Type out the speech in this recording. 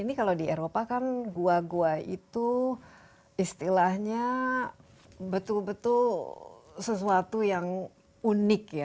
ini kalau di eropa kan gua gua itu istilahnya betul betul sesuatu yang unik ya